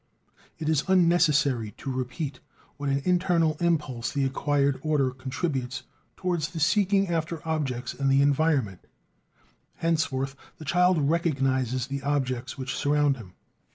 It is unnecessary to repeat what an internal impulse the acquired order contributes towards the seeking after objects in the environment; henceforth the child "recognizes" the objects which surround him.